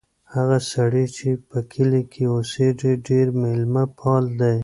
هغه سړی چې په کلي کې اوسیږي ډېر مېلمه پال دی.